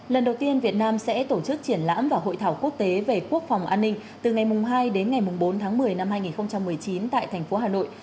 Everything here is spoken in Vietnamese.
lần đầu tiên việt nam sẽ tổ chức triển lãm và hội thảo quốc tế về quốc phòng an ninh từ ngày hai đến ngày bốn tháng một mươi năm hai nghìn một mươi chín tại thành phố hà nội